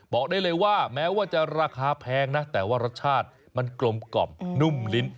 บอกได้เลยว่าแม้ว่าจะราคาแพงนะแต่ว่ารสชาติมันกลมกล่อมนุ่มลิ้น